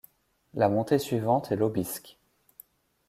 La montée suivante est l'Aubisque.